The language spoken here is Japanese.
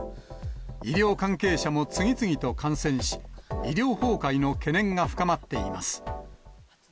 医療関係者も次々と感染し、医療崩壊の懸念が深まっています。